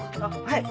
はい！